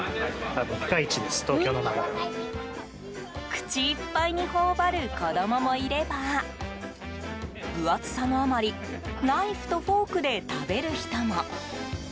口いっぱいに頬張る子供もいれば分厚さのあまりナイフとフォークで食べる人も。